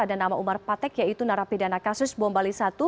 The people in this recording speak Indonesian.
ada nama umar patek yaitu narapidana kasus bombali satu